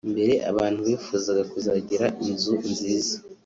Mbere abantu bifuzaga kuzagira inzu nziza